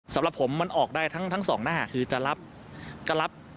สำหรับผมมันออกได้ทั้งสองหน้าคือจะรับก็รับ